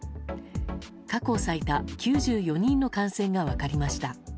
過去最多９４人の感染が分かりました。